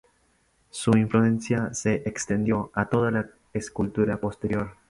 Su influencia se extendió a toda la escultura posterior.